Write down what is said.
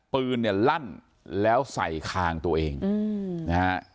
ปืนเนี่ยลั่นแล้วใส่คางตัวเองนะฮะ